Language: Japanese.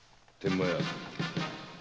天満屋。